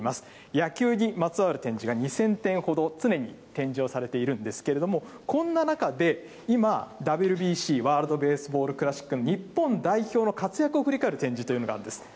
野球にまつわる展示が２０００点ほど常に展示をされているんですけれども、こんな中で、今、ＷＢＣ・ワールドベースボールクラシックの日本代表の活躍を振り返る展示というのがあるんです。